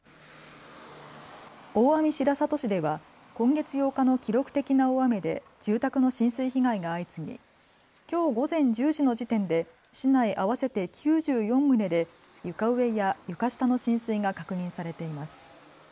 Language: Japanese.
大網白里市では今月８日の記録的な大雨で住宅の浸水被害が相次ぎきょう午前１０時の時点で市内合わせて９４棟で床上や床下の浸水が確認されています。